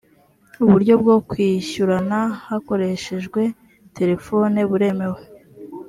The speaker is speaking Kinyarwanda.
uburyo bwo kwishyurana hakoreshejwe telephone buremewe